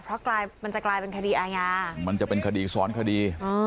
เพราะกลายมันจะกลายเป็นคดีอาญามันจะเป็นคดีซ้อนคดี